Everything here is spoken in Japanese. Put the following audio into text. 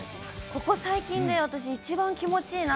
ここ最近で私、一番気持ちい